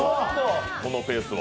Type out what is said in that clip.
このペースは。